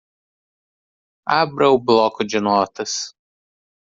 Abra o bloco de notas.